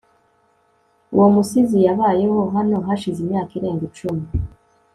Uwo musizi yabayeho hano hashize imyaka irenga icumi